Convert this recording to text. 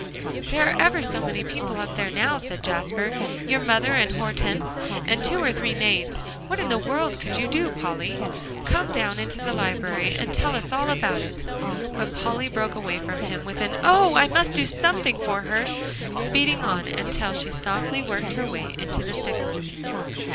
"There are ever so many people up there now," said Jasper. "Your mother, and Hortense, and two or three maids. What in the world could you do, Polly? Come down into the library, and tell us all about it." But Polly broke away from him with an "Oh! I must do something for her," speeding on until she softly worked her way into the sick room.